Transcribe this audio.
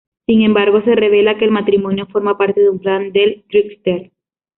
Sin embargo, se revela que el matrimonio forma parte de un plan del Trickster.